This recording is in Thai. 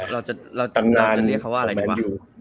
เราจะเรียกเขาว่าอะไรกันวะ